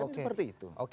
kan seperti itu